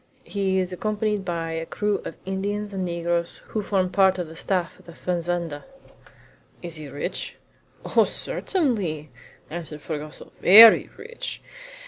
He is accompanied by a crew of Indians and negroes, who form part of the staff at the fazenda." "Is he rich?" "Oh, certainly!" answered Fragoso "very rich.